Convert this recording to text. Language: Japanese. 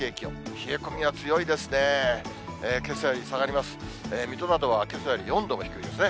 冷え込みが強いですね。